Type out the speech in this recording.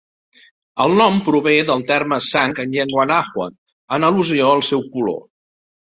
El nom prové del terme sang en llengua nahua, en al·lusió al seu color.